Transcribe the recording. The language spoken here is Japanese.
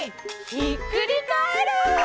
ひっくりカエル！